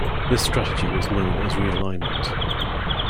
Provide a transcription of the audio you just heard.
This strategy was known as realignment.